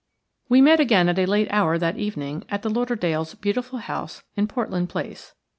We met again at a late hour that evening at the Lauderdales' beautiful house in Portland Place.